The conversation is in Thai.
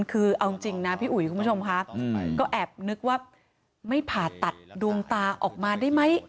คือเอาจริงนะพี่อุ๋ยคุณผู้ชมค่ะก็แอบนึกว่าไม่ผ่าตัดดวงตาออกมาได้ไหม